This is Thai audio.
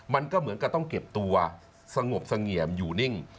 มันก็เหมือนกับต้องเก็บตัวสงบเสงี่ยมอยู่นิ่ง